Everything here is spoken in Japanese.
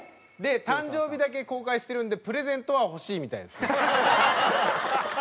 誕生日だけ公開してるんでプレゼントは欲しいみたいですね。